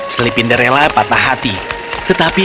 slipinderella patah hati